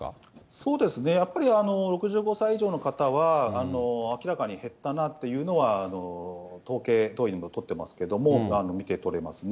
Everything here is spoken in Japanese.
そうですね、やっぱり６５歳以上の方は、明らかに減ったなというのは、統計、当院でも取ってますけども見て取れますね。